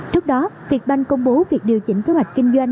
trước đó việt banh công bố việc điều chỉnh kế hoạch kinh doanh